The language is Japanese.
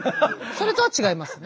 それとは違いますね？